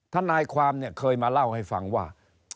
ทนายความเนี่ยเคยมาเล่าให้ฟังว่า